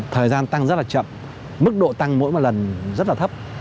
thời gian tăng rất là chậm mức độ tăng mỗi một lần rất là thấp